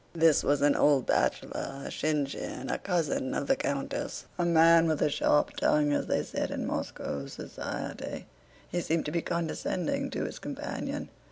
This was an old bachelor, Shinshín, a cousin of the countess', a man with "a sharp tongue" as they said in Moscow society. He seemed to be condescending to his companion.